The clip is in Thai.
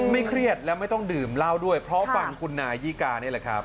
เครียดและไม่ต้องดื่มเหล้าด้วยเพราะฟังคุณนายีกานี่แหละครับ